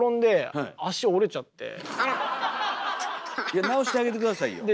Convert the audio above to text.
いや直してあげて下さいよ。